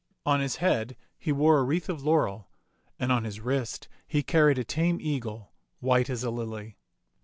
On his head he wore a wreath of laurel, and on his wrist he carried a tame eagle white as a lily.